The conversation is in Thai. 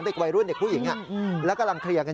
สวัสดีครับทุกคน